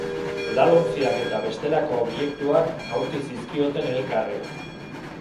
Edalontziak eta bestelako objektuak jaurti zizkioten elkarri.